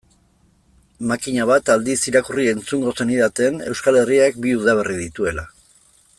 Makina bat aldiz irakurri-entzungo zenidaten Euskal Herriak bi udaberri dituela.